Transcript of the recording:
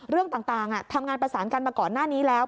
เรื่องต่างทำงานประสานกันมาก่อนหน้านี้แล้ว